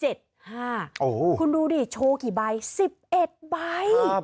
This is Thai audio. คุณดูดิโชว์กี่ใบ๑๑ใบ